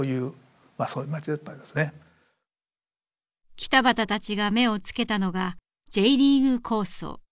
北畑たちが目を付けたのがＪリーグ構想。